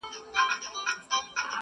مرغه نه سي څوک یوازي په هګیو٫